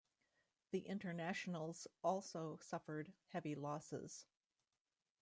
The Internationals also suffered heavy losses.